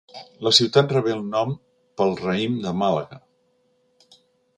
La ciutat rebé el nom pel raïm de Màlaga.